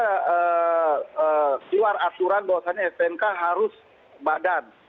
keluar aturan bahwasanya snk harus badan